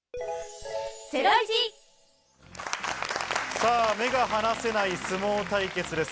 さぁ、目が離せない相撲対決です。